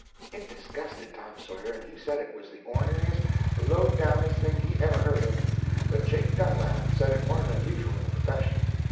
It disgusted Tom Sawyer, and he said it was the orneriest, low downest thing he ever heard of. But Jake Dunlap said it warn't unusual in the profession.